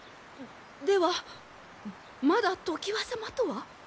ではまだ常磐様とは？